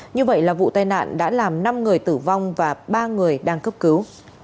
như vậy là vụ tai nạn đã làm năm người tử vong và ba người đang cấp cứu